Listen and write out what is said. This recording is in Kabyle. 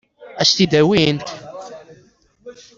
Ad s-t-id-awint?